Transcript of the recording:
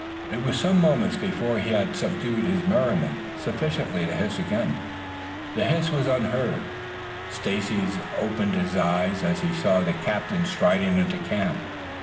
It was some moments before he had subdued his merriment sufficiently to hiss again. The hiss was unheard. Stacy opened his eyes as he saw the captain striding into camp.